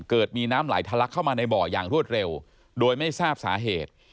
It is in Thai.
เกิดมีน้ำไหลทะลักเข้ามาในบ่ออย่างรวดเร็วโดยไม่ทราบสาเหตุ